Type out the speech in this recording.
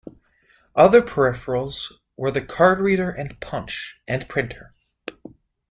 Other Peripherals were the card reader and punch, and printer.